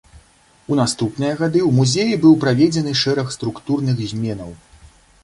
У наступныя гады ў музеі быў праведзены шэраг структурных зменаў.